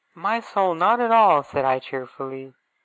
'My soul, not at all!' said I, cheerfully.